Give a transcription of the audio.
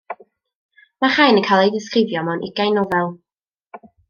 Mae'r rhain yn cael eu disgrifio mewn ugain nofel.